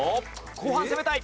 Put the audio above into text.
後半攻めたい！